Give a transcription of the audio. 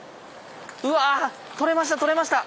うわ取れました取れました！